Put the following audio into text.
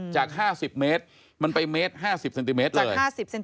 จาก๕๐เมตรมันไปเมตร๕๐เซนติเมตรเลย